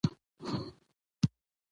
په افغانستان کې کوچني صنعتونه وده کوي.